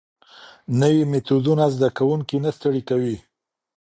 نوي میتودونه زده کوونکي نه ستړي کوي.